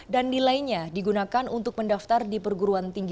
dan nilainya digunakan untuk mencari pengetahuan tentang perguruan tinggi